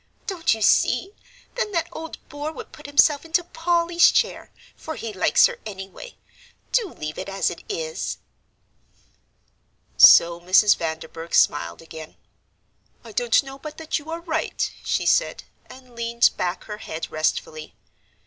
"Don't you see, then, that old bore would put himself into Polly's chair, for he likes her, anyway. Do leave it as it is." So Mrs. Vanderburgh smiled again. "I don't know but that you are right," she said, and leaned back her head restfully.